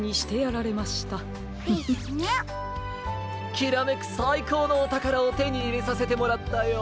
きらめくさいこうのおたからをてにいれさせてもらったよ。